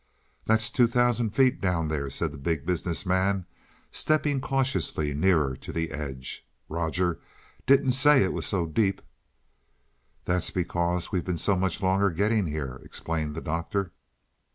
"That's two thousand feet down there," said the Big Business Man, stepping cautiously nearer to the edge. "Rogers didn't say it was so deep." "That's because we've been so much longer getting here," explained the Doctor.